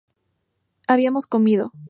habíamos comido